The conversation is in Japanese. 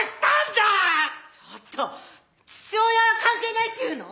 ちょっと父親は関係ないっていうの！？